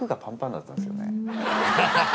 アハハハ。